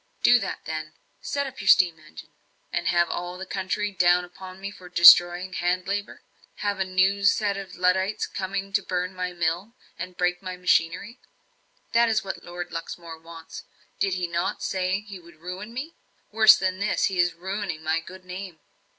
"Do that, then. Set up your steam engine." "And have all the country down upon me for destroying hand labour? Have a new set of Luddites coming to burn my mill, and break my machinery? That is what Lord Luxmore wants. Did he not say he would ruin me? Worse than this he is ruining my good name.